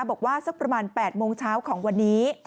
บอกว่าสักประมาณ๘โมงเช้าของวันนี้